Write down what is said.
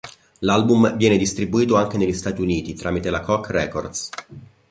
L'album viene distribuito anche negli Stati Uniti tramite la Koch Records.